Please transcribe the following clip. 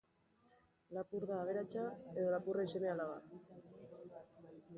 Lapur da aberatsa, edo lapurren seme-alaba.